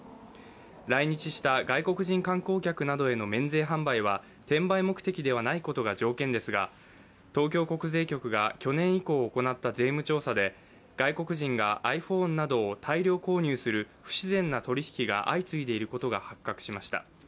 来日した外国人観光客などへの免税販売は転売目的ではないことが条件ですが、東京国税局が去年以降行った税務調査で外国人がｉＰｈｏｎｅなどを大量購入する不自然な取り引きが相次いでいることが発覚しました。